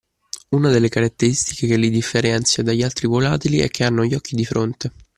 Una delle caratteristiche che lì differenza dagli altri volatili è che hanno gli occhi di fronte.